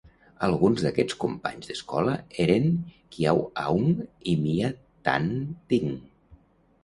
Alguns d'aquests companys d'escola eren Kyaw Aung i Mya Than Tint.